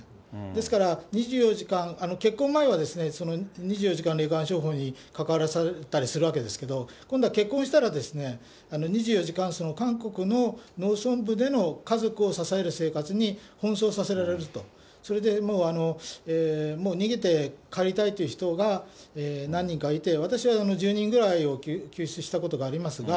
ですから２４時間、結婚前は２４時間霊感商法に関わらされたりするんですけど、今度は結婚したら、２４時間、韓国の農村部での家族を支える生活に奔走させられると、それでもう逃げて帰りたいという人が何人かいて、私は１０人ぐらいを救出したことがありますが、